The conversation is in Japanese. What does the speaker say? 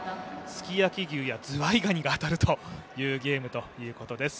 すき焼きやズワイガニが当たるゲームということです。